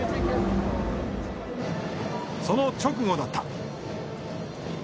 その直後だった。